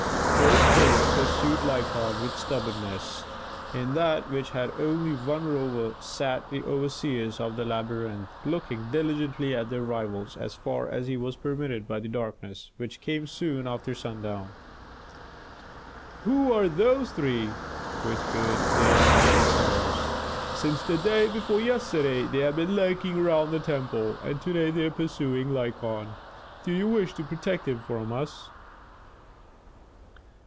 Both boats pursued Lykon with stubbornness. In that which had only one rower sat the overseers of the labyrinth, looking diligently at their rivals, as far as was permitted by the darkness, which came soon after sundown. "Who are those three?" whispered they among themselves. "Since the day before yesterday they have been lurking around the temple, and to day they are pursuing Lykon. Do they wish to protect him from us?"